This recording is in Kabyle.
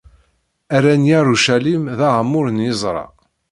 Rran Yarucalim d aɛemmur n yiẓra!